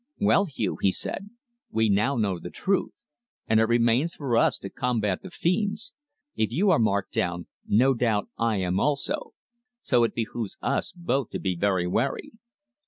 "Well, Hugh," he said, "we now know the truth, and it remains for us to combat the fiends. If you are marked down no doubt I am also. So it behoves us both to be very wary."